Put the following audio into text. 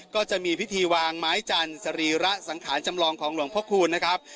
ก็จะมีพิธีวางไม้จันทร์สรีระสังขารจำลองของหลวงพระคูณนะครับ